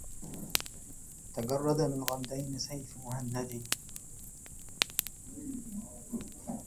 تجرد من غمدين سيف مهند